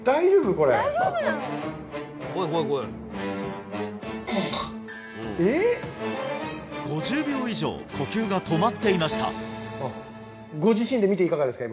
これええ！？５０秒以上呼吸が止まっていましたご自身で見ていかがですか？